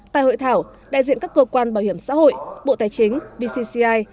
tại hội thảo đại diện các cơ quan bảo hiểm xã hội bộ tài chính vcci